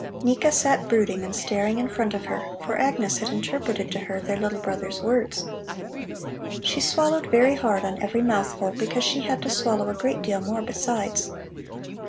Nika sat brooding and staring in front of her, for Agnes had interpreted to her their little brother's words. She swallowed very hard on every mouthful, because she had to swallow a great deal more besides.